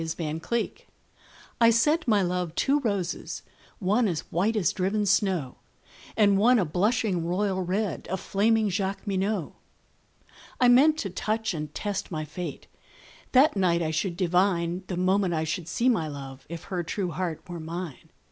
The White Flag I sent my love two roses, one As white as driven snow, And one a blushing royal red, A flaming Jacqueminot. I meant to touch and test my fate; That night I should divine, The moment I should see my love, If her true heart were mine.